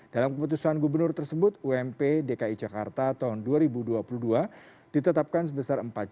dalam keputusan gubernur tersebut ump dki jakarta tahun dua ribu dua puluh dua ditetapkan sebesar rp empat enam ratus empat puluh satu